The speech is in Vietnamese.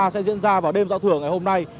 sẽ diễn ra vào đêm giao thừa ngày hôm nay